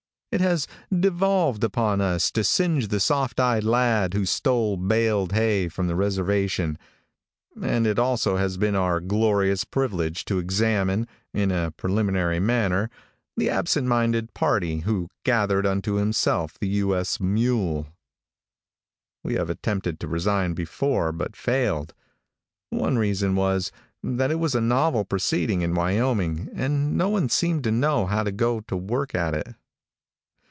It has devolved upon us to singe the soft eyed lad who stole baled hay from the reservation, and it has also been our glorious privilege to examine, in a preliminary manner, the absent minded party who gathered unto himself the U. S. mule. We have attempted to resign before, but failed. One reason was, that it was a novel proceeding in Wyoming, and no one seemed to know how to go to work at it.